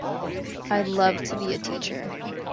I’d love to be a teacher.